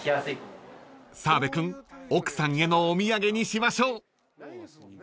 ［澤部君奥さんへのお土産にしましょう］